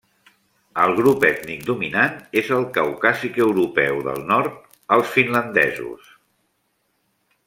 El grup ètnic dominant és el caucàsic europeu del nord, els finlandesos.